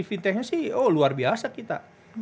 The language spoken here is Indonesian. fintechnya sih oh luar biasa kita